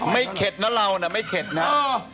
เข็ดนะเรานะไม่เข็ดนะ